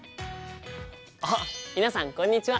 あっ皆さんこんにちは！